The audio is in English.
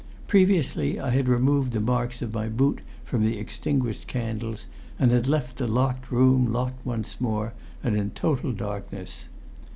Previously I had removed the marks of my boot from the extinguished candles, and had left the locked room locked once more and in total darkness.